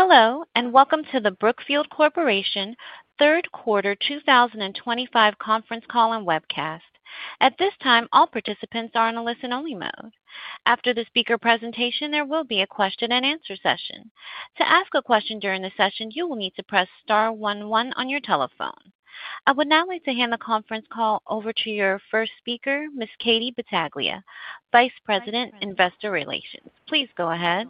Hello, and welcome to the Brookfield Corporation third quarter 2025 conference call and webcast. At this time, all participants are in a listen-only mode. After the speaker presentation, there will be a question-and-answer session. To ask a question during the session, you will need to press star one one on your telephone. I would now like to hand the conference call over to your first speaker, Ms. Katie Battaglia, Vice President, Investor Relations. Please go ahead.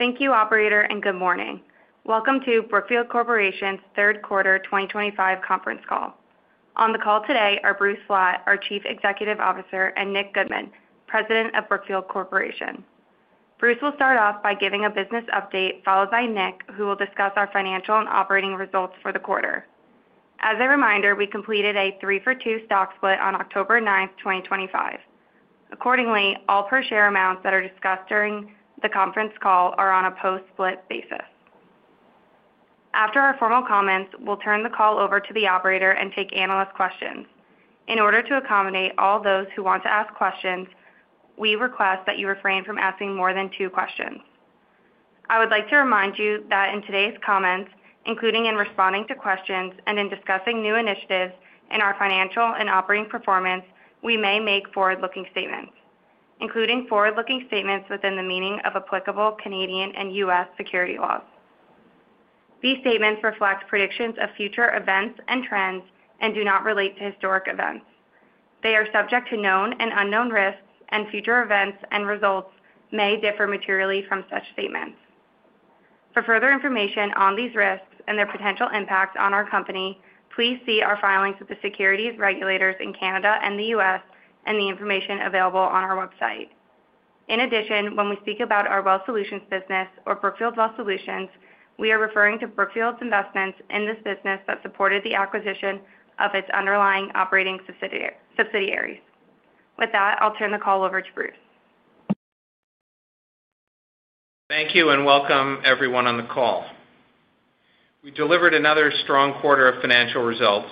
Thank you, Operator, and good morning. Welcome to Brookfield Corporation's third quarter 2025 conference call. On the call today are Bruce Flatt, our Chief Executive Officer, and Nick Goodman, President of Brookfield Corporation. Bruce will start off by giving a business update, followed by Nick, who will discuss our financial and operating results for the quarter. As a reminder, we completed a three-for-two stock split on October 9th, 2025. Accordingly, all per-share amounts that are discussed during the conference call are on a post-split basis. After our formal comments, we'll turn the call over to the Operator and take analyst questions. In order to accommodate all those who want to ask questions, we request that you refrain from asking more than two questions. I would like to remind you that in today's comments, including in responding to questions and in discussing new initiatives in our financial and operating performance, we may make forward-looking statements, including forward-looking statements within the meaning of applicable Canadian and U.S. security laws. These statements reflect predictions of future events and trends and do not relate to historic events. They are subject to known and unknown risks, and future events and results may differ materially from such statements. For further information on these risks and their potential impacts on our company, please see our filings with the securities regulators in Canada and the U.S. and the information available on our website. In addition, when we speak about our Wealth Solutions business, or Brookfield Wealth Solutions, we are referring to Brookfield's investments in this business that supported the acquisition of its underlying operating subsidiaries. With that, I'll turn the call over to Bruce. Thank you, and welcome everyone on the call. We delivered another strong quarter of financial results.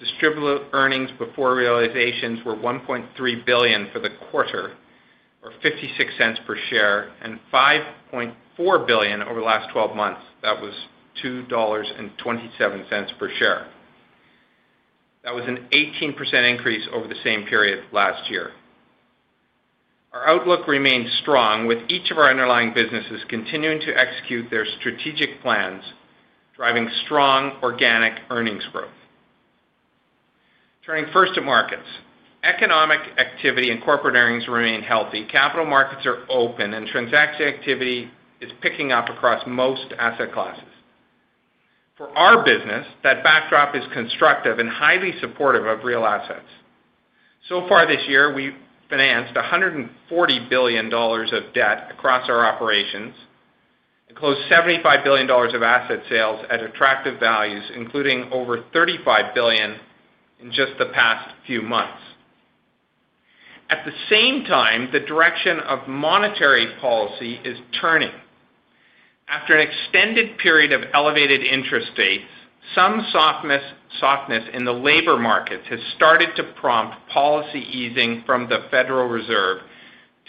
Distributed earnings before realizations were $1.3 billion for the quarter, or $0.56 per share, and $5.4 billion over the last 12 months. That was $2.27 per share. That was an 18% increase over the same period last year. Our outlook remains strong, with each of our underlying businesses continuing to execute their strategic plans, driving strong organic earnings growth. Turning first to markets, economic activity and corporate earnings remain healthy. Capital markets are open, and transaction activity is picking up across most asset classes. For our business, that backdrop is constructive and highly supportive of real assets. Far this year, we financed $140 billion of debt across our operations and closed $75 billion of asset sales at attractive values, including over $35 billion in just the past few months. At the same time, the direction of monetary policy is turning. After an extended period of elevated interest rates, some softness in the labor markets has started to prompt policy easing from the Federal Reserve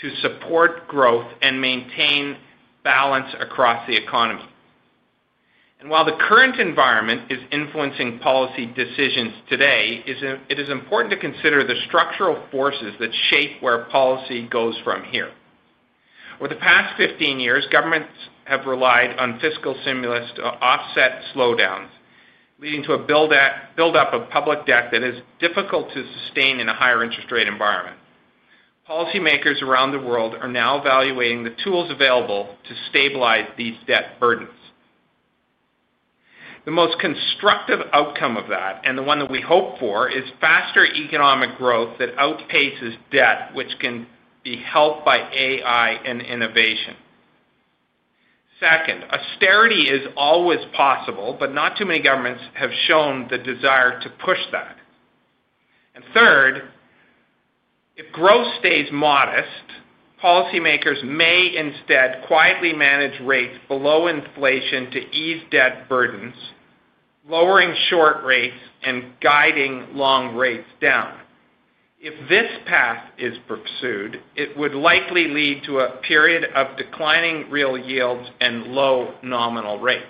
to support growth and maintain balance across the economy. While the current environment is influencing policy decisions today, it is important to consider the structural forces that shape where policy goes from here. Over the past 15 years, governments have relied on fiscal stimulus to offset slowdowns, leading to a build-up of public debt that is difficult to sustain in a higher interest rate environment. Policymakers around the world are now evaluating the tools available to stabilize these debt burdens. The most constructive outcome of that, and the one that we hope for, is faster economic growth that outpaces debt, which can be helped by AI and innovation. Second, austerity is always possible, but not too many governments have shown the desire to push that. And third, if growth stays modest, policymakers may instead quietly manage rates below inflation to ease debt burdens, lowering short rates and guiding long rates down. If this path is pursued, it would likely lead to a period of declining real yields and low nominal rates.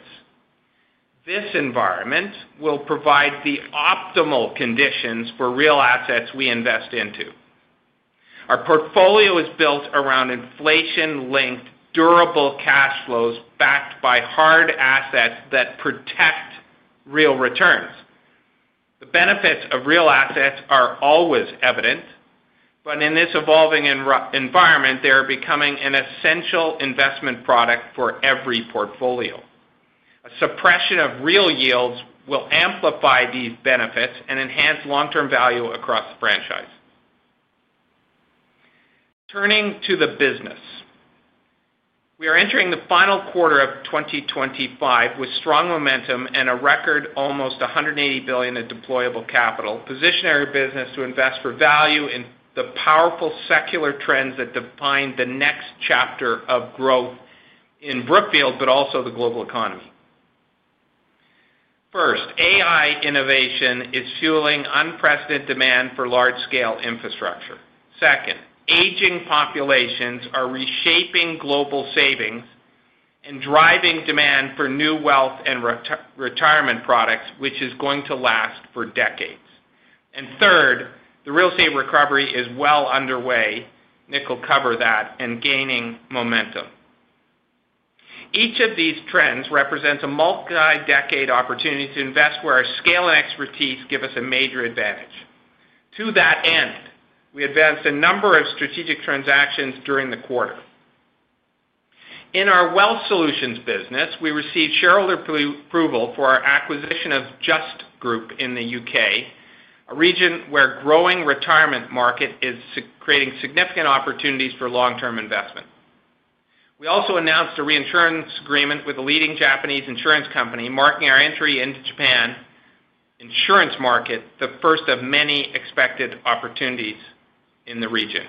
This environment will provide the optimal conditions for real assets we invest into. Our portfolio is built around inflation-linked durable cash flows backed by hard assets that protect real returns. The benefits of real assets are always evident, but in this evolving environment, they are becoming an essential investment product for every portfolio. A suppression of real yields will amplify these benefits and enhance long-term value across the franchise. Turning to the business, we are entering the final quarter of 2025 with strong momentum and a record almost $180 billion of deployable capital, positioning our business to invest for value in the powerful secular trends that define the next chapter of growth in Brookfield, but also the global economy. First, AI innovation is fueling unprecedented demand for large-scale infrastructure. Second, aging populations are reshaping global savings and driving demand for new wealth and retirement products, which is going to last for decades. And third, the real estate recovery is well underway, Nick will cover that, and gaining momentum. Each of these trends represents a multi-decade opportunity to invest where our scale and expertise give us a major advantage. To that end, we advanced a number of strategic transactions during the quarter. In our Wealth Solutions business, we received shareholder approval for our acquisition of Just Group in the U.K., a region where the growing retirement market is creating significant opportunities for long-term investment. We also announced a reinsurance agreement with a leading Japanese insurance company, marking our entry into Japan's insurance market the first of many expected opportunities in the region.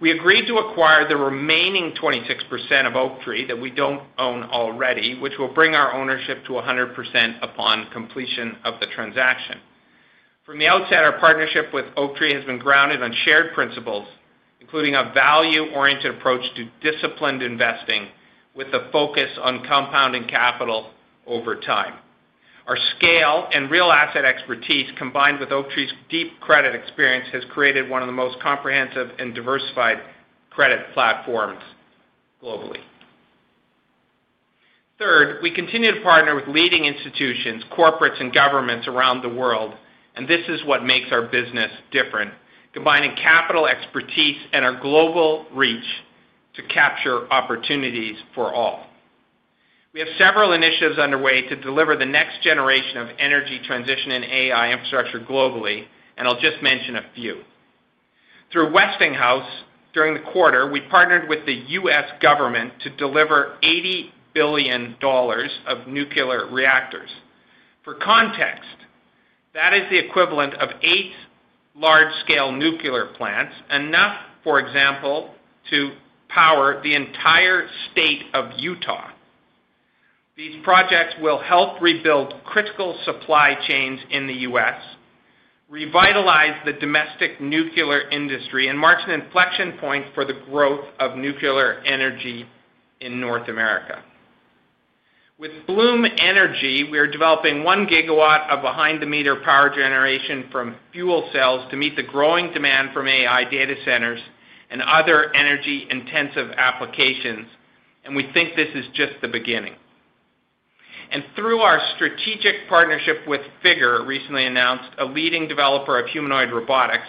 We agreed to acquire the remaining 26% of Oaktree that we don't own already, which will bring our ownership to 100% upon completion of the transaction. From the outset, our partnership with Oaktree has been grounded on shared principles, including a value-oriented approach to disciplined investing with a focus on compounding capital over time. Our scale and real asset expertise, combined with Oaktree's deep credit experience, has created one of the most comprehensive and diversified credit platforms globally. Third, we continue to partner with leading institutions, corporates, and governments around the world, and this is what makes our business different, combining capital expertise and our global reach to capture opportunities for all. We have several initiatives underway to deliver the next generation of energy transition and AI infrastructure globally, and I'll just mention a few. Through Westinghouse, during the quarter, we partnered with the U.S. government to deliver $80 billion of nuclear reactors. For context, that is the equivalent of eight large-scale nuclear plants, enough, for example, to power the entire state of Utah. These projects will help rebuild critical supply chains in the U.S., revitalize the domestic nuclear industry, and mark an inflection point for the growth of nuclear energy in North America. With Bloom Energy, we are developing 1 GW of behind-the-meter power generation from fuel cells to meet the growing demand from AI data centers and other energy-intensive applications, and we think this is just the beginning. And through our strategic partnership with Figure, recently announced a leading developer of humanoid robotics,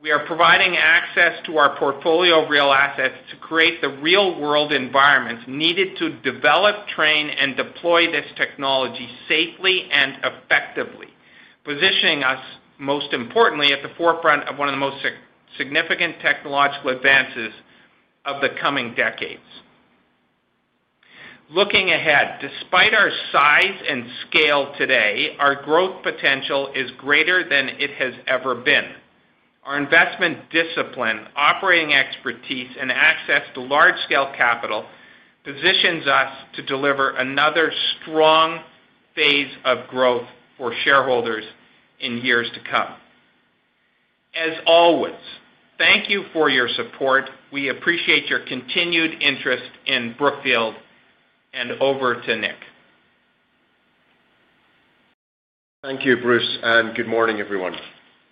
we are providing access to our portfolio of real assets to create the real-world environments needed to develop, train, and deploy this technology safely and effectively, positioning us, most importantly, at the forefront of one of the most significant technological advances of the coming decades. Looking ahead, despite our size and scale today, our growth potential is greater than it has ever been. Our investment discipline, operating expertise, and access to large-scale capital positions us to deliver another strong phase of growth for shareholders in years to come. As always, thank you for your support. We appreciate your continued interest in Brookfield, and over to Nick. Thank you, Bruce, and good morning, everyone.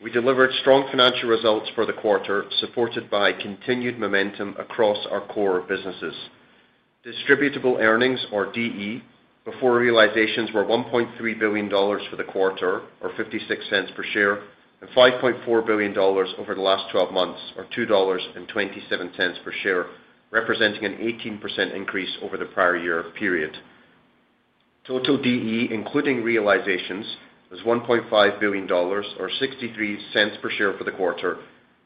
We delivered strong financial results for the quarter, supported by continued momentum across our core businesses. Distributed earnings, or DE, before realizations were $1.3 billion for the quarter, or $0.56 per share, and $5.4 billion over the last 12 months, or $2.27 per share, representing an 18% increase over the prior year period. Total DE, including realizations, was $1.5 billion, or $0.63 per share for the quarter,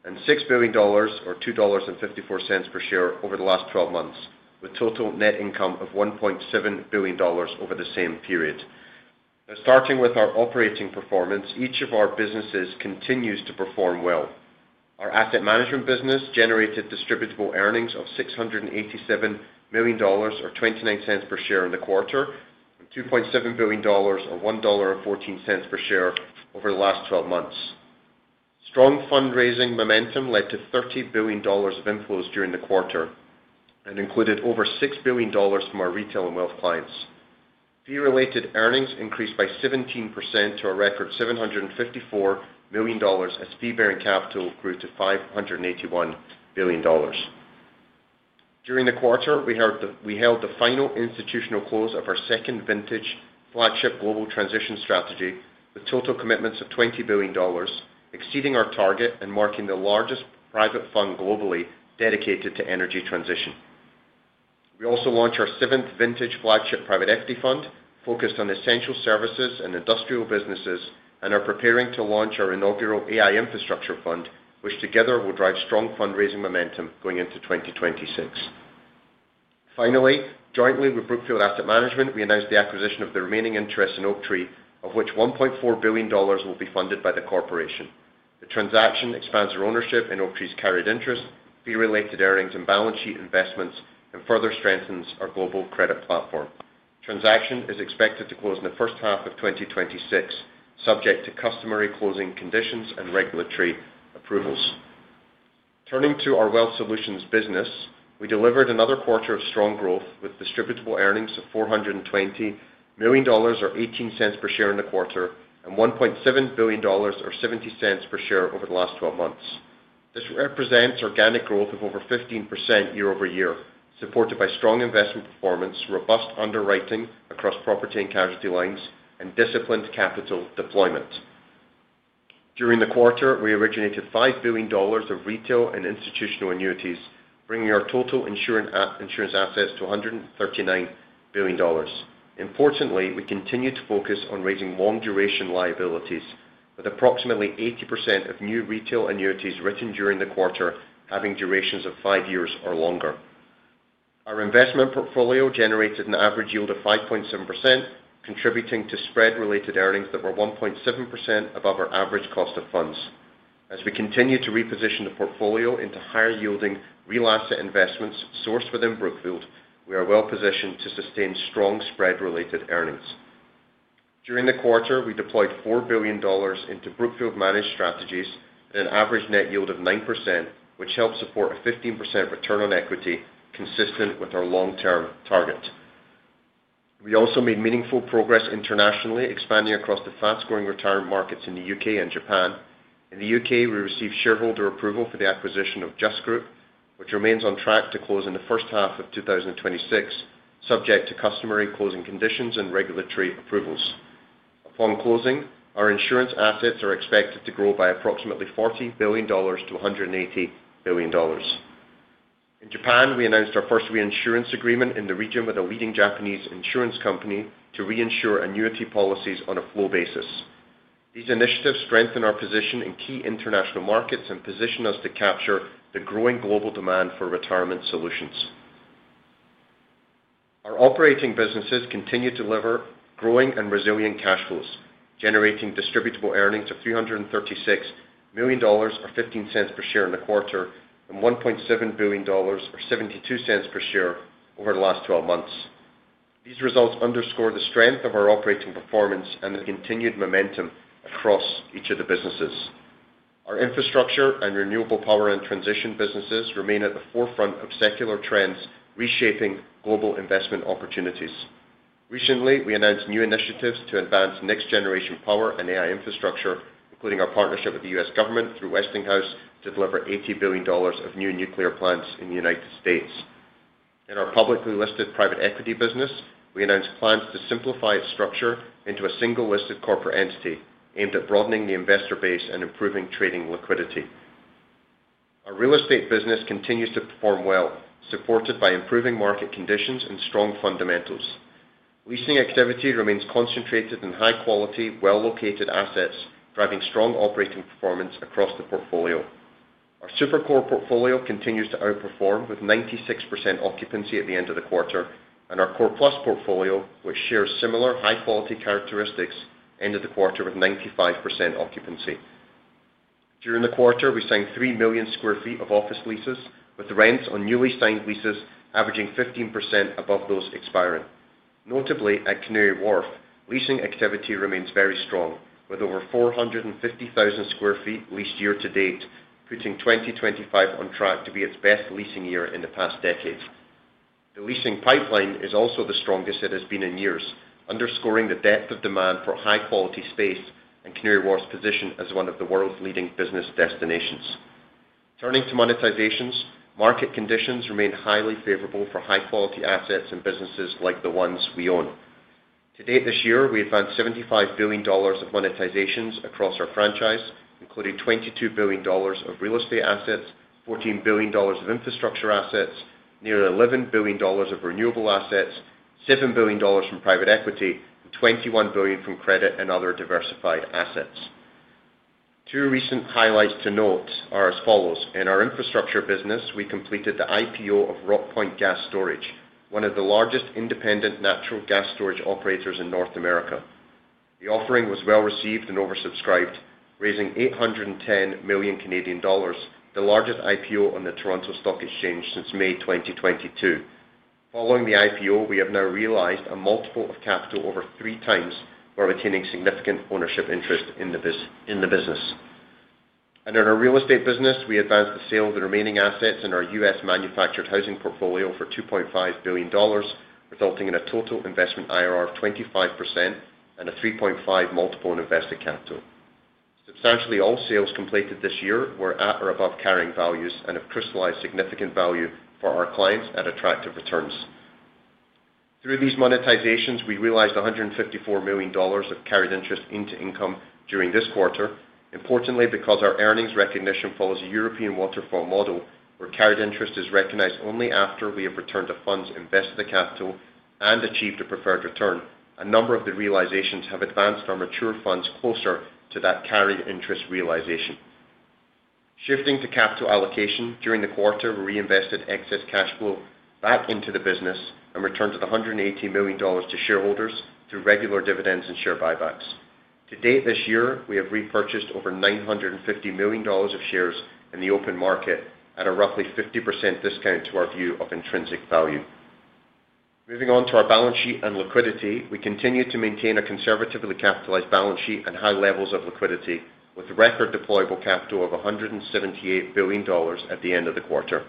and $6 billion, or $2.54 per share over the last 12 months, with total net income of $1.7 billion over the same period. Starting with our operating performance, each of our businesses continues to perform well. Our asset management business generated distributed earnings of $687 million, or $0.29 per share in the quarter, and $2.7 billion, or $1.14 per share over the last 12 months. Strong fundraising momentum led to $30 billion of inflows during the quarter and included over $6 billion from our retail and wealth clients. Fee-related earnings increased by 17% to a record $754 million as fee-bearing capital grew to $581 billion. During the quarter, we held the final institutional close of our second vintage flagship global transition strategy with total commitments of $20 billion, exceeding our target and marking the largest private fund globally dedicated to energy transition. We also launched our seventh vintage flagship private equity fund focused on essential services and industrial businesses and are preparing to launch our inaugural AI infrastructure fund, which together will drive strong fundraising momentum going into 2026. Finally, jointly with Brookfield Asset Management, we announced the acquisition of the remaining interest in Oaktree, of which $1.4 billion will be funded by the corporation. The transaction expands our ownership in Oaktree's carried interest, fee-related earnings, and balance sheet investments, and further strengthens our global credit platform. The transaction is expected to close in the first half of 2026, subject to customary closing conditions and regulatory approvals. Turning to our Wealth Solutions business, we delivered another quarter of strong growth with distributed earnings of $420 million, or $0.18 per share in the quarter, and $1.7 billion, or $0.70 per share over the last 12 months. This represents organic growth of over 15% year-over-year, supported by strong investment performance, robust underwriting across property and casualty lines, and disciplined capital deployment. During the quarter, we originated $5 billion of retail and institutional annuities, bringing our total insurance assets to $139 billion. Importantly, we continue to focus on raising long-duration liabilities, with approximately 80% of new retail annuities written during the quarter having durations of five years or longer. Our investment portfolio generated an average yield of 5.7%, contributing to spread-related earnings that were 1.7% above our average cost of funds. As we continue to reposition the portfolio into higher-yielding real asset investments sourced within Brookfield, we are well-positioned to sustain strong spread-related earnings. During the quarter, we deployed $4 billion into Brookfield-managed strategies at an average net yield of 9%, which helped support a 15% return on equity consistent with our long-term target. We also made meaningful progress internationally, expanding across the fast-growing retirement markets in the U.K. and Japan. In the U.K., we received shareholder approval for the acquisition of Just Group, which remains on track to close in the first half of 2026, subject to customary closing conditions and regulatory approvals. Upon closing, our insurance assets are expected to grow by approximately $40 billion-$180 billion. In Japan, we announced our first reinsurance agreement in the region with a leading Japanese insurance company to reinsure annuity policies on a flow basis. These initiatives strengthen our position in key international markets and position us to capture the growing global demand for retirement solutions. Our operating businesses continue to deliver growing and resilient cash flows, generating distributed earnings of $336 million, or $0.15 per share in the quarter, and $1.7 billion, or $0.72 per share over the last 12 months. These results underscore the strength of our operating performance and the continued momentum across each of the businesses. Our infrastructure and renewable power and transition businesses remain at the forefront of secular trends reshaping global investment opportunities. Recently, we announced new initiatives to advance next-generation power and AI infrastructure, including our partnership with the U.S. government through Westinghouse to deliver $80 billion of new nuclear plants in the United States. In our publicly listed private equity business, we announced plans to simplify its structure into a single listed corporate entity aimed at broadening the investor base and improving trading liquidity. Our real estate business continues to perform well, supported by improving market conditions and strong fundamentals. Leasing activity remains concentrated in high-quality, well-located assets, driving strong operating performance across the portfolio. Our Super Core portfolio continues to outperform with 96% occupancy at the end of the quarter, and our Core Plus portfolio, which shares similar high-quality characteristics, ended the quarter with 95% occupancy. During the quarter, we signed 3 million sq ft of office leases, with rents on newly signed leases averaging 15% above those expiring. Notably, at Canary Wharf, leasing activity remains very strong, with over 450,000 sq ft leased year to date, putting 2025 on track to be its best leasing year in the past decade. The leasing pipeline is also the strongest it has been in years, underscoring the depth of demand for high-quality space and Canary Wharf's position as one of the world's leading business destinations. Turning to monetizations, market conditions remain highly favorable for high-quality assets and businesses like the ones we own. To date this year, we advanced $75 billion of monetizations across our franchise, including $22 billion of real estate assets, $14 billion of infrastructure assets, nearly $11 billion of renewable assets, $7 billion from private equity, and $21 billion from credit and other diversified assets. Two recent highlights to note are as follows. In our infrastructure business, we completed the IPO of Rockpoint Gas Storage, one of the largest independent natural gas storage operators in North America. The offering was well received and oversubscribed, raising $810 million Canadian, the largest IPO on the Toronto Stock Exchange since May 2022. Following the IPO, we have now realized a multiple of capital over 3x, while retaining significant ownership interest in the business. And in our real estate business, we advanced the sale of the remaining assets in our U.S. manufactured housing portfolio for $2.5 billion, resulting in a total investment IRR of 25% and a 3.5 multiple on invested capital. Substantially, all sales completed this year were at or above carrying values and have crystallized significant value for our clients at attractive returns. Through these monetizations, we realized $154 million of carried interest into income during this quarter. Importantly, because our earnings recognition follows a European waterfall model, where carried interest is recognized only after we have returned to funds, invested the capital, and achieved a preferred return, a number of the realizations have advanced our mature funds closer to that carried interest realization. Shifting to capital allocation, during the quarter, we reinvested excess cash flow back into the business and returned to the $180 million to shareholders through regular dividends and share buybacks. To date this year, we have repurchased over $950 million of shares in the open market at a roughly 50% discount to our view of intrinsic value. Moving on to our balance sheet and liquidity, we continue to maintain a conservatively capitalized balance sheet and high levels of liquidity, with record deployable capital of $178 billion at the end of the quarter.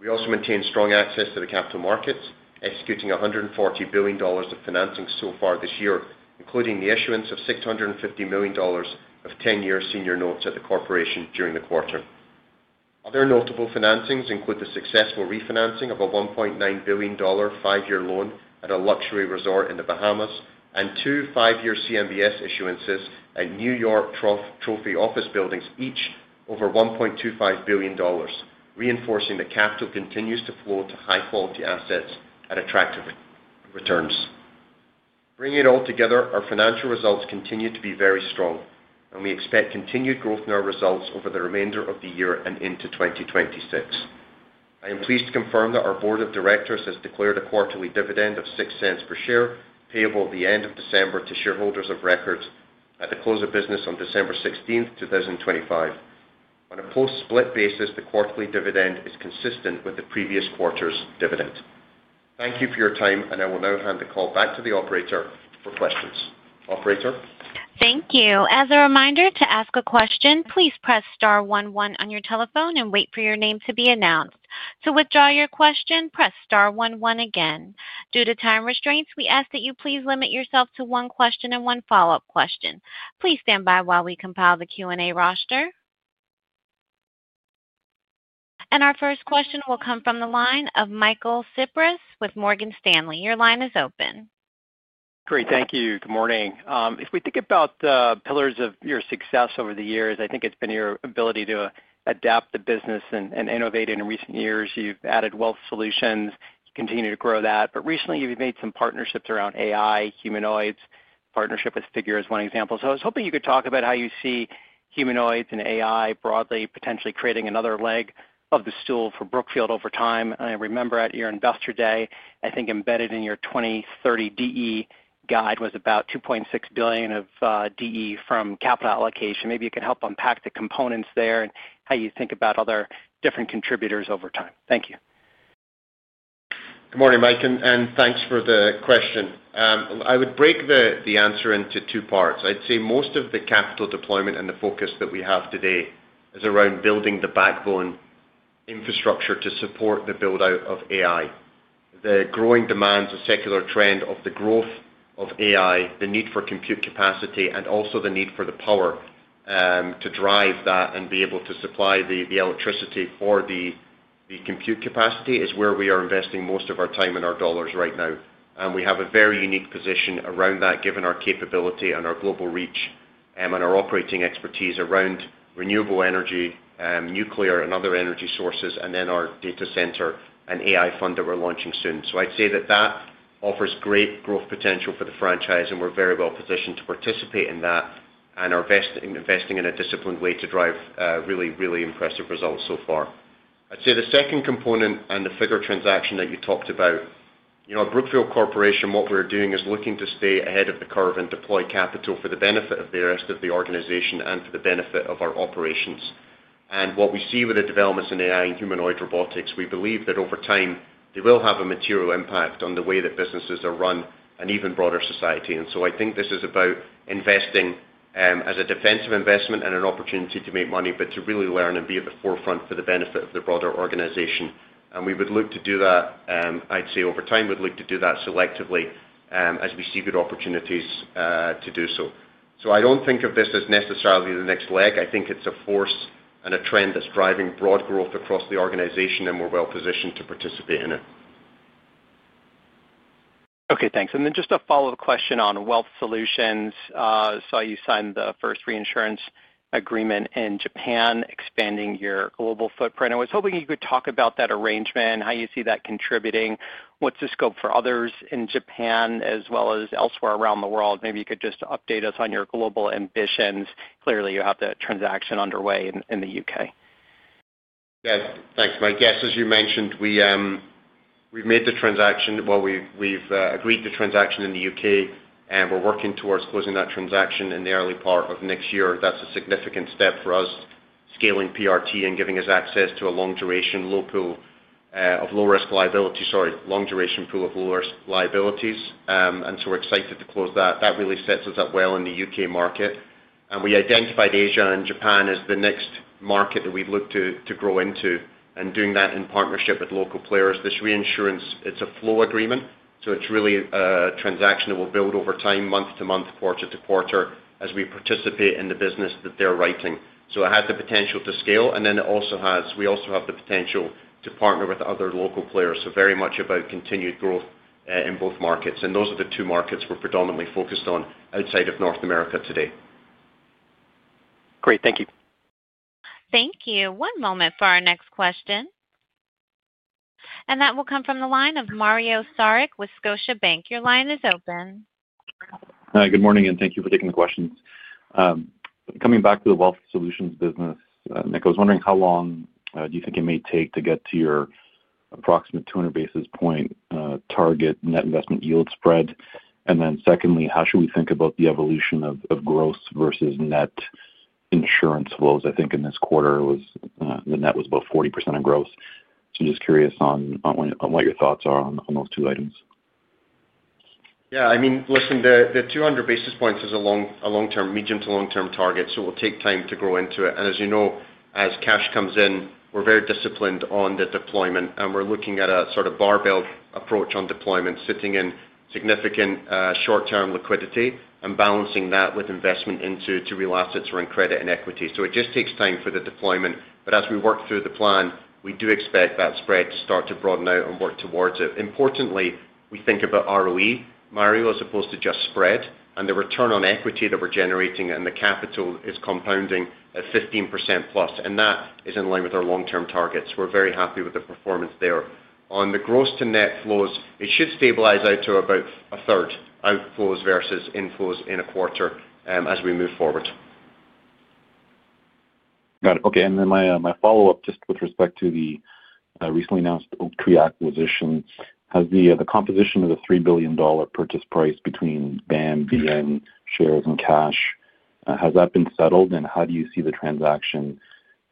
We also maintain strong access to the capital markets, executing $140 billion of financing so far this year, including the issuance of $650 million of 10-year senior notes at the corporation during the quarter. Other notable financings include the successful refinancing of a $1.9 billion five-year loan at a luxury resort in the Bahamas and two five-year CMBS issuances at New York Trophy office buildings, each over $1.25 billion, reinforcing that capital continues to flow to high-quality assets at attractive returns. Bringing it all together, our financial results continue to be very strong, and we expect continued growth in our results over the remainder of the year and into 2026. I am pleased to confirm that our board of directors has declared a quarterly dividend of $0.06 per share, payable at the end of December to shareholders of record at the close of business on December 16th, 2025. On a post-split basis, the quarterly dividend is consistent with the previous quarter's dividend. Thank you for your time, and I will now hand the call back to the operator for questions. Operator. Thank you. As a reminder, to ask a question, please press star one one on your telephone and wait for your name to be announced. To withdraw your question, press star 11 again. Due to time restraints, we ask that you please limit yourself to one question and one follow-up question. Please stand by while we compile the Q&A roster. And our first question will come from the line of Michael Cyprys with Morgan Stanley. Your line is open. Great. Thank you. Good morning. If we think about the pillars of your success over the years, I think it's been your ability to adapt the business and innovate in recent years. You've added Wealth Solutions, continue to grow that. But recently, you've made some partnerships around AI, humanoids, partnership with Figure as one example. So I was hoping you could talk about how you see humanoids and AI broadly potentially creating another leg of the stool for Brookfield over time. I remember at your investor day, I think embedded in your 2030 DE guide was about $2.6 billion of DE from capital allocation. Maybe you could help unpack the components there and how you think about other different contributors over time. Thank you. Good morning, Mike, and thanks for the question. I would break the answer into two parts. I'd say most of the capital deployment and the focus that we have today is around building the backbone infrastructure to support the build-out of AI. The growing demands, the secular trend of the growth of AI, the need for compute capacity, and also the need for the power to drive that and be able to supply the electricity for the compute capacity is where we are investing most of our time and our dollars right now. And we have a very unique position around that, given our capability and our global reach and our operating expertise around renewable energy, nuclear, and other energy sources, and then our data center and AI fund that we're launching soon. So I'd say that that offers great growth potential for the franchise, and we're very well positioned to participate in that and are investing in a disciplined way to drive really, really impressive results so far. I'd say the second component and the Figure transaction that you talked about, at Brookfield Corporation, what we're doing is looking to stay ahead of the curve and deploy capital for the benefit of the rest of the organization and for the benefit of our operations. And what we see with the developments in AI and humanoid robotics, we believe that over time, they will have a material impact on the way that businesses are run and even broader society. And so I think this is about investing as a defensive investment and an opportunity to make money, but to really learn and be at the forefront for the benefit of the broader organization. And we would look to do that, I'd say over time, we'd look to do that selectively as we see good opportunities to do so. So I don't think of this as necessarily the next leg. I think it's a force and a trend that's driving broad growth across the organization, and we're well positioned to participate in it. Okay. Thanks. And then just a follow-up question on Wealth Solutions. I saw you signed the first reinsurance agreement in Japan, expanding your global footprint. I was hoping you could talk about that arrangement, how you see that contributing, what's the scope for others in Japan, as well as elsewhere around the world. Maybe you could just update us on your global ambitions. Clearly, you have the transaction underway in the U.K. Yes. Thanks, Mike. Yes, as you mentioned, we've made the transaction well, we've agreed to transaction in the U.K., and we're working towards closing that transaction in the early part of next year. That's a significant step for us, scaling PRT and giving us access to a long-duration low-pool of low-risk liability, sorry, long-duration pool of low-risk liabilities. And so we're excited to close that. That really sets us up well in the U.K. market. And we identified Asia and Japan as the next market that we've looked to grow into and doing that in partnership with local players. This reinsurance, it's a flow agreement, so it's really a transaction that will build over time, month to month, quarter to quarter, as we participate in the business that they're writing. So it has the potential to scale, and then we also have the potential to partner with other local players. So very much about continued growth in both markets. And those are the two markets we're predominantly focused on outside of North America today. Great. Thank you. Thank you. One moment for our next question. And that will come from the line of Mario Saric with Scotiabank. Your line is open. Hi. Good morning, and thank you for taking the questions. Coming back to the Wealth Solutions business, Nick, I was wondering how long do you think it may take to get to your approximate 200 basis point target net investment yield spread? And then secondly, how should we think about the evolution of gross versus net insurance flows? I think in this quarter, the net was about 40% of gross. So just curious on what your thoughts are on those two items. Yeah. I mean, listen, the 200 basis points is a long-term, medium to long-term target, so it will take time to grow into it. And as you know, as cash comes in, we're very disciplined on the deployment, and we're looking at a sort of barbell approach on deployment, sitting in significant short-term liquidity and balancing that with investment into real assets or in credit and equity. So it just takes time for the deployment. But as we work through the plan, we do expect that spread to start to broaden out and work towards it. Importantly, we think about ROE, Mario, as opposed to just spread. And the return on equity that we're generating and the capital is compounding at 15%+. And that is in line with our long-term targets. We're very happy with the performance there. On the gross to net flows, it should stabilize out to about a third outflows versus inflows in a quarter as we move forward. Got it. Okay. And then my follow-up just with respect to the recently announced Oaktree acquisition. Has the composition of the $3 billion purchase price between BAM, BN shares, and cash, has that been settled? And how do you see the transaction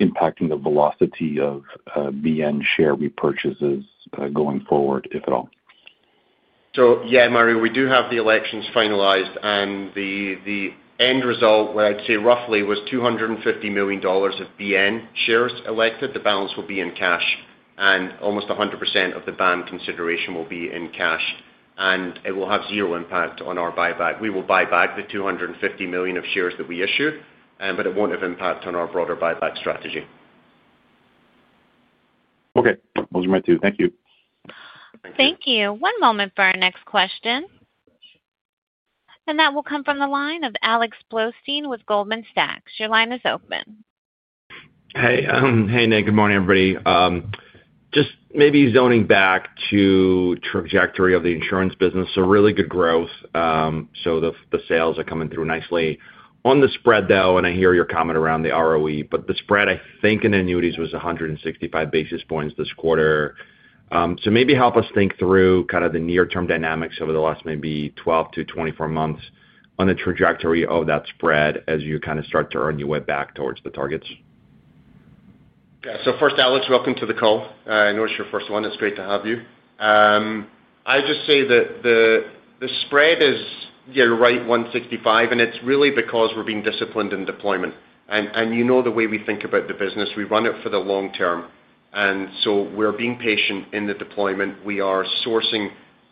impacting the velocity of BN share repurchases going forward, if at all? So yeah, Mario, we do have the elections finalized. And the end result, I'd say roughly, was $250 million of BN shares elected. The balance will be in cash, and almost 100% of the BAM consideration will be in cash. And it will have zero impact on our buyback. We will buy back the 250 million of shares that we issue, but it won't have impact on our broader buyback strategy. Okay. Those are my two. Thank you. Thank you. One moment for our next question. And that will come from the line of Alex Blostein with Goldman Sachs. Your line is open. Hey, Nick. Good morning, everybody. Just maybe zoning back to trajectory of the insurance business. So really good growth. So the sales are coming through nicely. On the spread, though, and I hear your comment around the ROE, but the spread, I think in annuities, was 165 basis points this quarter. So maybe hel us think through kind of the near-term dynamics over the last maybe 12-24 months on the trajectory of that spread as you kind of start to earn your way back towards the targets. Yeah. So first, Alex, welcome to the call. I know it's your first one. It's great to have you. I just say that the spread is, yeah, right, 165, and it's really because we're being disciplined in deployment. And you know the way we think about the business. We run it for the long term. And so we're being patient in the deployment. We are sourcing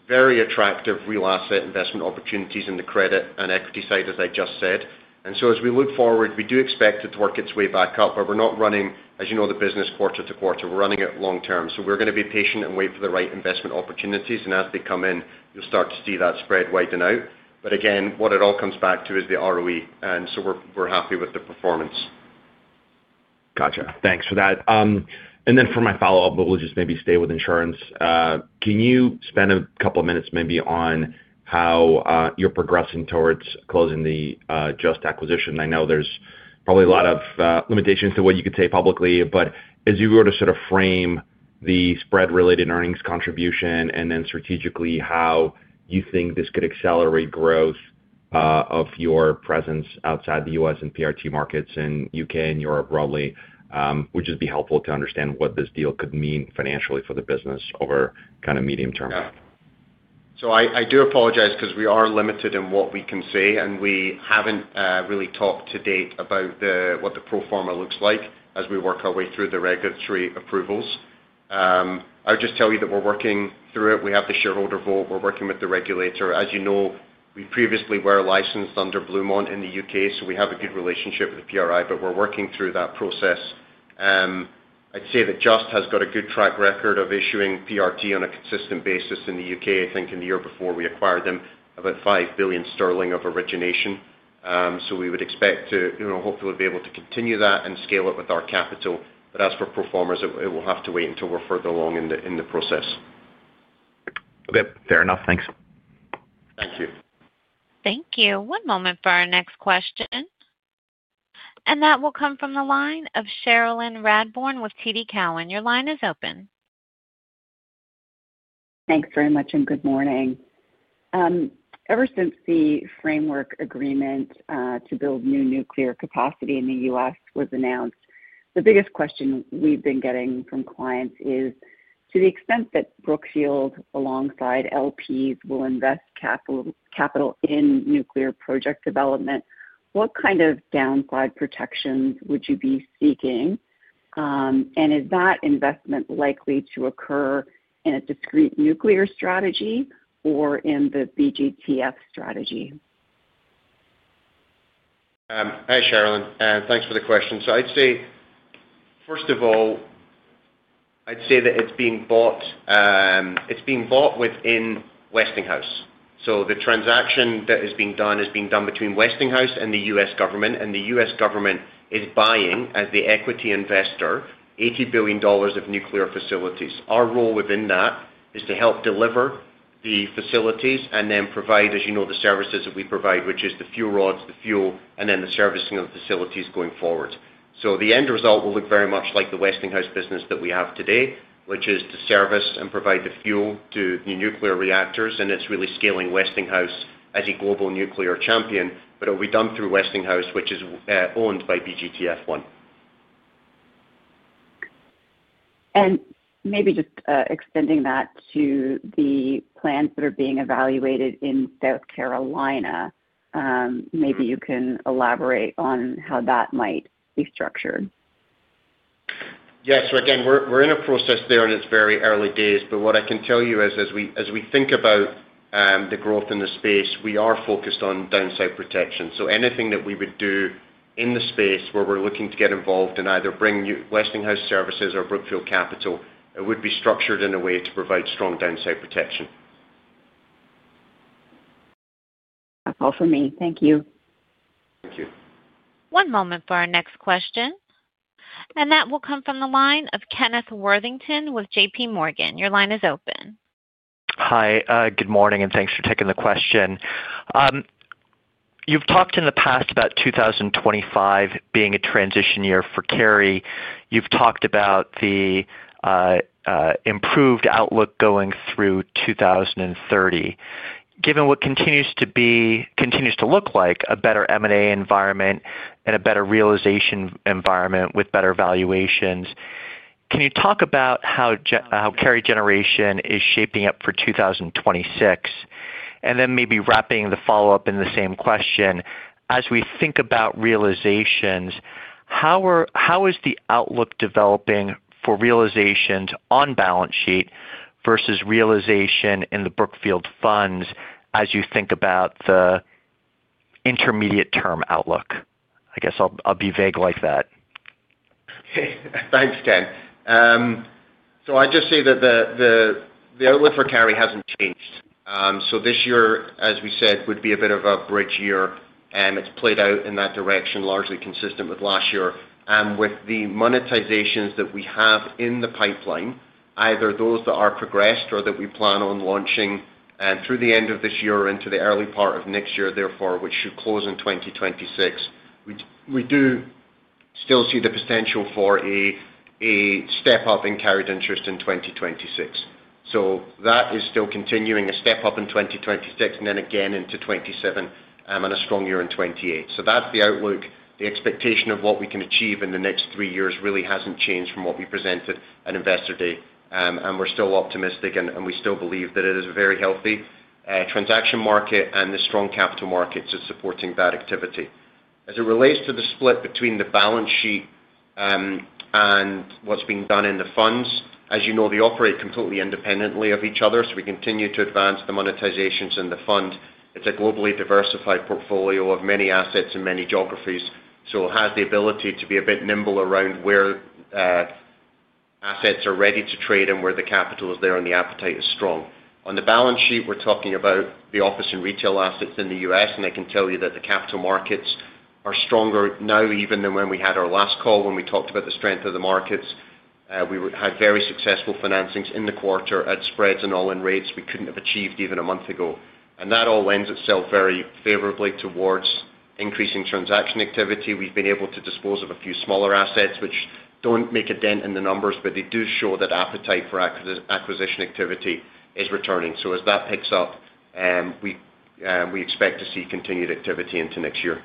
very attractive real asset investment opportunities in the credit and equity side, as I just said. And so as we look forward, we do expect it to work its way back up. But we're not running, as you know, the business quarter to quarter. We're running it long term. So we're going to be patient and wait for the right investment opportunities. And as they come in, you'll start to see that spread widen out. But again, what it all comes back to is the ROE. And so we're happy with the performance. Gotcha. Thanks for that. And then for my follow-up, we'll just maybe stay with insurance. Can you spend a couple of minutes maybe on how you're progressing towards closing the just acquisition? I know there's probably a lot of limitations to what you could say publicly, but as you were to sort of frame the spread-related earnings contribution and then strategically how you think this could accelerate growth of your presence outside the US and PRT markets in U.K. and Europe broadly, would just be helpful to understand what this deal could mean financially for the business over kind of medium term. Yeah. So I do apologize because we are limited in what we can say, and we haven't really talked to date about what the pro forma looks like as we work our way through the regulatory approvals. I would just tell you that we're working through it. We have the shareholder vote. We're working with the regulator. As you know, we previously were licensed under Blue Mont in the U.K., so we have a good relationship with the PRI, but we're working through that process. I'd say that Just has got a good track record of issuing PRT on a consistent basis in the U.K., I think, in the year before we acquired them, about 5 billion sterling of origination. So we would expect to hopefully be able to continue that and scale it with our capital. But as for pro formas, it will have to wait until we're further along in the process. Okay. Fair enough. Thanks. Thank you. Thank you. One moment for our next question. And that will come from the line of Cherilyn Radbourne with TD Cowen. Your line is open. Thanks very much and good morning. Ever since the framework agreement to build new nuclear capacity in the U.S. was announced, the biggest question we've been getting from clients is, to the extent that Brookfield, alongside LPs, will invest capital in nuclear project development, what kind of downside protections would you be seeking? And is that investment likely to occur in a discrete nuclear strategy or in the BGTF strategy? Hi, Cherilyn. Thanks for the question. So I'd say, first of all, I'd say that it's being bought within Westinghouse. So the transaction that is being done is being done between Westinghouse and the U.S. government. And the U.S. government is buying, as the equity investor, $80 billion of nuclear facilities. Our role within that is to help deliver the facilities and then provide, as you know, the services that we provide, which is the fuel rods, the fuel, and then the servicing of the facilities going forward. So the end result will look very much like the Westinghouse business that we have today, which is to service and provide the fuel to the nuclear reactors. And it's really scaling Westinghouse as a global nuclear champion, but it'll be done through Westinghouse, which is owned by BGTF One. And maybe just extending that to the plans that are being evaluated in South Carolina, maybe you can elaborate on how that might be structured. Yeah. So again, we're in a process there, and it's very early days. But what I can tell you is, as we think about the growth in the space, we are focused on downside protection. So anything that we would do in the space where we're looking to get involved in either bringing Westinghouse services or Brookfield Capital, it would be structured in a way to provide strong downside protection. That's all for me. Thank you. Thank you. One moment for our next question. And that will come from the line of Kenneth Worthington with JPMorgan. Your line is open. Hi. Good morning, and thanks for taking the question. You've talked in the past about 2025 being a transition year for Carry. You've talked about the improved outlook going through 2030. Given what continues to look like a better M&A environment and a better realization environment with better valuations, can you talk about how Carry Generation is shaping up for 2026? And then maybe wrapping the follow-up in the same question, as we think about realizations, how is the outlook developing for realizations on balance sheet versus realization in the Brookfield funds as you think about the intermediate-term outlook? I guess I'll be vague like that. Thanks, Ken. So I'd just say that the outlook for Carry hasn't changed. So this year, as we said, would be a bit of a bridge year, and it's played out in that direction, largely consistent with last year. And with the monetizations that we have in the pipeline, either those that are progressed or that we plan on launching through the end of this year or into the early part of next year, therefore, which should close in 2026, we do still see the potential for a step-up in carried interest in 2026. So that is still continuing, a step-up in 2026, and then again into 2027, and a strong year in 2028. So that's the outlook. The expectation of what we can achieve in the next three years really hasn't changed from what we presented at Investor Day. And we're still optimistic, and we still believe that it is a very healthy transaction market and the strong capital markets are supporting that activity. As it relates to the split between the balance sheet and what's being done in the funds, as you know, they operate completely independently of each other. So we continue to advance the monetizations in the fund. It's a globally diversified portfolio of many assets in many geographies. So it has the ability to be a bit nimble around where assets are ready to trade and where the capital is there and the appetite is strong. On the balance sheet, we're talking about the office and retail assets in the U.S. And I can tell you that the capital markets are stronger now even than when we had our last call when we talked about the strength of the markets. We had very successful financings in the quarter at spreads and all-in rates we couldn't have achieved even a month ago. And that all lends itself very favorably towards increasing transaction activity. We've been able to dispose of a few smaller assets, which don't make a dent in the numbers, but they do show that appetite for acquisition activity is returning. So as that picks up, we expect to see continued activity into next year.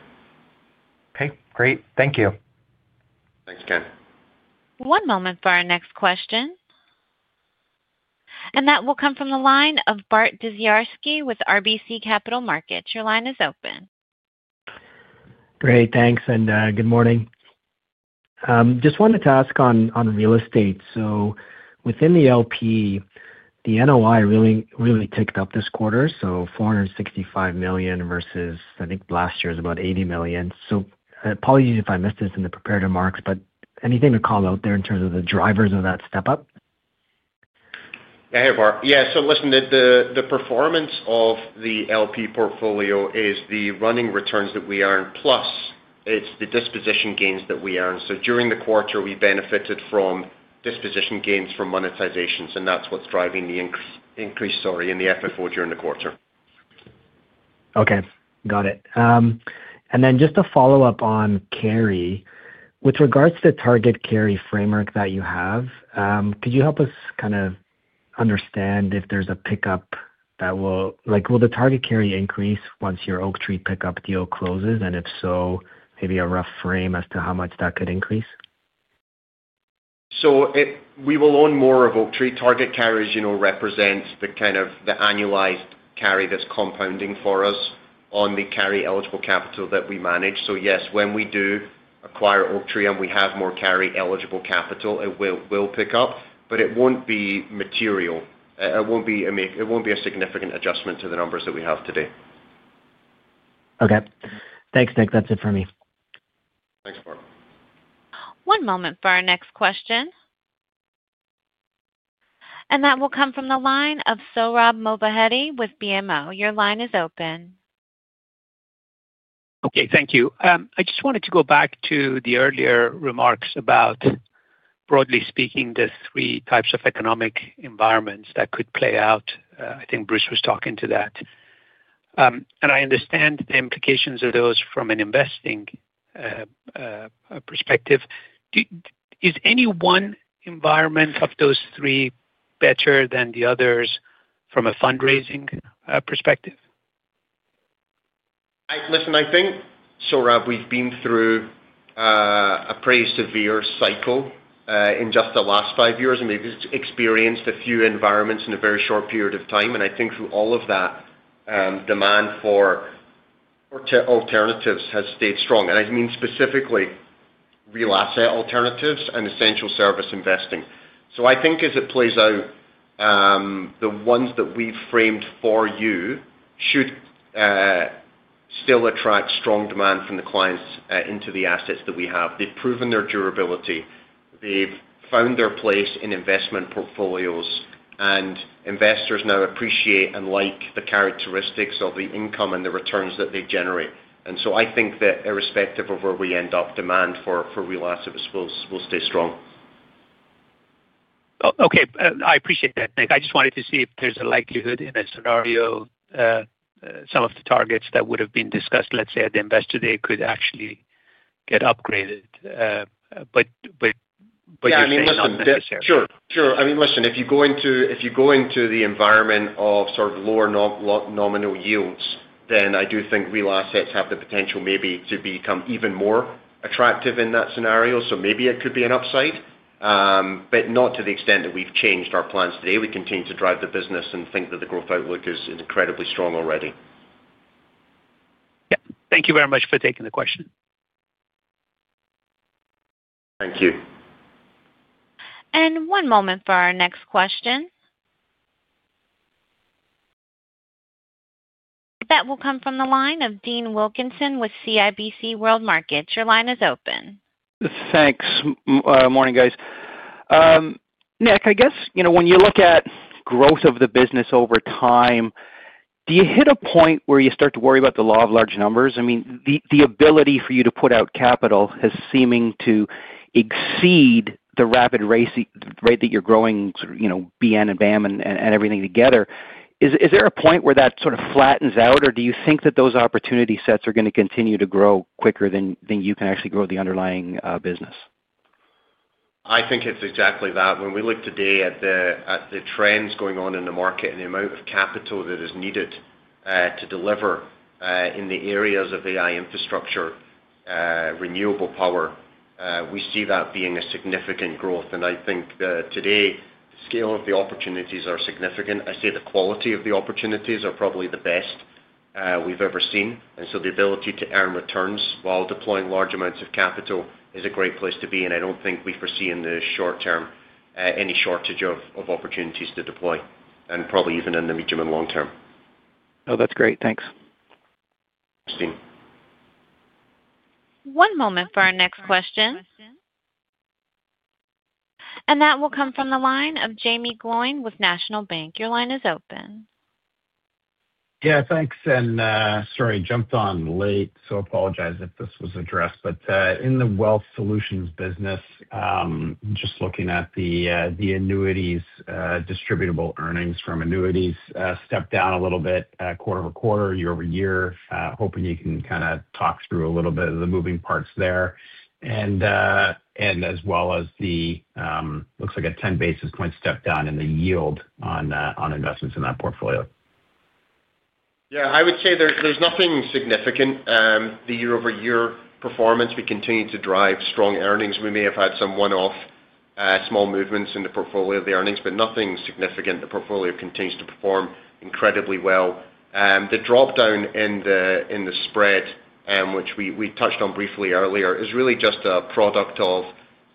Okay. Great. Thank you. Thanks, Ken. One moment for our next question. And that will come from the line of Bart Dziarski with RBC Capital Markets. Your line is open. Great. Thanks. And good morning. Just wanted to ask on real estate. So within the LP, the NOI really ticked up this quarter, so 465 million versus, I think, last year's about 80 million. So apologies if I missed this in the prepared remarks, but anything to call out there in terms of the drivers of that step-up? Yeah. Hey, Bart. Yeah. So listen, the performance of the LP portfolio is the running returns that we earn, plus it's the disposition gains that we earn. So during the quarter, we benefited from disposition gains from monetizations, and that's what's driving the increase, sorry, in the FFO during the quarter. Okay. Got it. And then just to follow up on Carry, with regards to the Target Carry Framework that you have, could you help us kind of understand if there's a pickup that will—will the Target Carry increase once your Oaktree pickup deal closes? And if so, maybe a rough frame as to how much that could increase? So we will own more of Oaktree. Target Carry represents the kind of the annualized carry that's compounding for us on the carry eligible capital that we manage. So yes, when we do acquire Oaktree and we have more carry eligible capital, it will pick up, but it won't be material. It won't be a significant adjustment to the numbers that we have today. Okay. Thanks, Nick. That's it for me. Thanks, Bart. One moment for our next question. And that will come from the line of Sohrab Movahedi with BMO. Your line is open. Okay. Thank you. I just wanted to go back to the earlier remarks about, broadly speaking, the three types of economic environments that could play out. I think Bruce was talking to that. And I understand the implications of those from an investing perspective. Is any one environment of those three better than the others from a fundraising perspective? Listen, I think, Sohrab, we've been through a pretty severe cycle in just the last five years and maybe experienced a few environments in a very short period of time. And I think through all of that, demand for alternatives has stayed strong. And I mean specifically real asset alternatives and essential service investing. So I think as it plays out, the ones that we've framed for you should still attract strong demand from the clients into the assets that we have. They've proven their durability. They've found their place in investment portfolios, and investors now appreciate and like the characteristics of the income and the returns that they generate. And so I think that irrespective of where we end up, demand for real assets will stay strong. Okay. I appreciate that, Nick. I just wanted to see if there's a likelihood in a scenario some of the targets that would have been discussed, let's say at the investor day, could actually get upgraded. But you're saying that's necessary. Yeah. I mean, listen. Sure. Sure. I mean, listen, if you go into the environment of sort of lower nominal yields, then I do think real assets have the potential maybe to become even more attractive in that scenario. So maybe it could be an upside, but not to the extent that we've changed our plans today. We continue to drive the business and think that the growth outlook is incredibly strong already. Yeah. Thank you very much for taking the question. Thank you. One moment for our next question. That will come from the line of Dean Wilkinson with CIBC World Markets. Your line is open. Thanks. Morning, guys. Nick, I guess when you look at growth of the business over time, do you hit a point where you start to worry about the law of large numbers? I mean, the ability for you to put out capital has seeming to exceed the rapid rate that you're growing BN and BAM and everything together. Is there a point where that sort of flattens out, or do you think that those opportunity sets are going to continue to grow quicker than you can actually grow the underlying business? I think it's exactly that. When we look today at the trends going on in the market and the amount of capital that is needed to deliver in the areas of AI infrastructure, renewable power, we see that being a significant growth. I think today, the scale of the opportunities are significant. I say the quality of the opportunities are probably the best we've ever seen. So the ability to earn returns while deploying large amounts of capital is a great place to be. I don't think we foresee in the short term any shortage of opportunities to deploy, and probably even in the medium and long term. Oh, that's great. Thanks. Thank you. One moment for our next question. And that will come from the line of Jaeme Gloyn with National Bank. Your line is open. Yeah. Thanks. And sorry, I jumped on late, so I apologize if this was addressed. But in the wealth solutions business, just looking at the annuities, distributable earnings from annuities stepped down a little bit quarter-over-quarter, year-over-year. Hoping you can kind of talk through a little bit of the moving parts there. And as well as the looks like a 10 basis point step down in the yield on investments in that portfolio. Yeah. I would say there's nothing significant. The year-over-year performance we continue to drive strong earnings. We may have had some one-off small movements in the portfolio of the earnings, but nothing significant. The portfolio continues to perform incredibly well. The dropdown in the spread, which we touched on briefly earlier, is really just a product of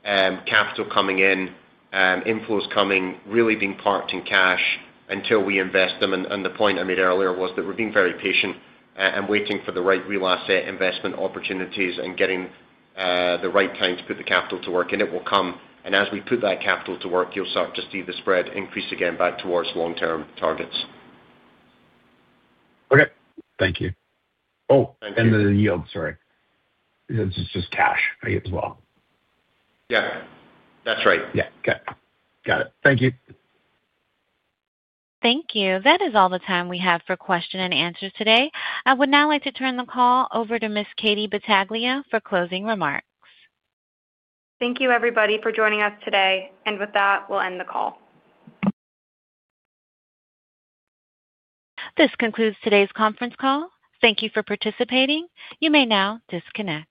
capital coming in, inflows coming, really being parked in cash until we invest them. And the point I made earlier was that we're being very patient and waiting for the right real asset investment opportunities and getting the right time to put the capital to work. And it will come. And as we put that capital to work, you'll start to see the spread increase again back towards long-term targets. Okay. Thank you. Oh, and the yield, sorry. It's just cash as well. Yeah. That's right. Yeah. Okay. Got it. Thank you. Thank you. That is all the time we have for question and answer today. I would now like to turn the call over to Ms. Katie Battaglia for closing remarks. Thank you, everybody, for joining us today. And with that, we'll end the call. This concludes today's conference call. Thank you for participating. You may now disconnect.